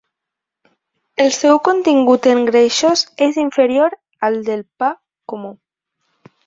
El seu contingut en greixos és inferior al del pa comú.